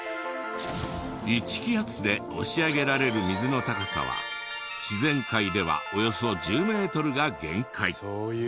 １気圧で押し上げられる水の高さは自然界ではおよそ１０メートルが限界。